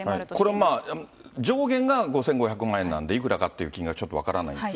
これ、上限が５５００万円なんで、いくらかっていう金額はちょっと分からないんですが。